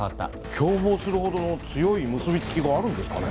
共謀するほどの強い結び付きがあるんですかね？